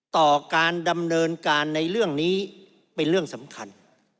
ต่อการดำเนินการในเรื่องนี้เป็นเรื่องสำคัญ